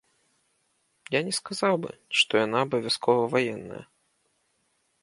Я не сказаў бы, што яна абавязкова ваенная.